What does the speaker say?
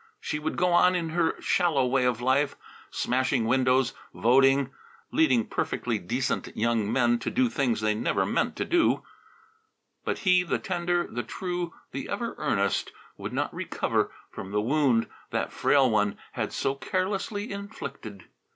She would go on in her shallow way of life, smashing windows, voting, leading perfectly decent young men to do things they never meant to do; but he, the tender, the true, the ever earnest, he would not recover from the wound that frail one had so carelessly inflicted.